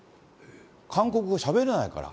韓国語しゃべれないから。